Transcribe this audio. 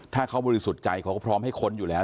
ถ้าเขาบริสุทธิ์ใจเขาก็พร้อมให้ค้นอยู่แล้ว